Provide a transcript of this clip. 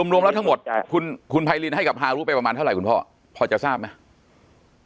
รวมแล้วทั้งหมดคุณไพรินให้กับฮารุไปประมาณเท่าไหร่คุณพ่อพอจะทราบไหม